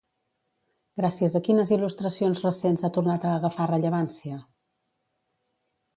Gràcies a quines il·lustracions recents ha tornat a agafar rellevància?